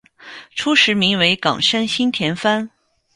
初时名为冈山新田藩。